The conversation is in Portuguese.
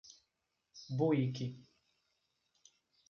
Buíque